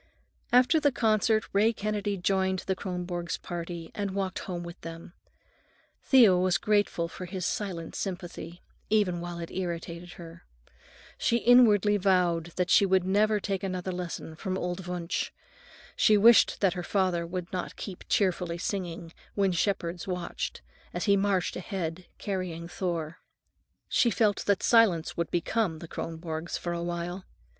After the concert Ray Kennedy joined the Kronborgs' party and walked home with them. Thea was grateful for his silent sympathy, even while it irritated her. She inwardly vowed that she would never take another lesson from old Wunsch. She wished that her father would not keep cheerfully singing, "When Shepherds Watched," as he marched ahead, carrying Thor. She felt that silence would become the Kronborgs for a while.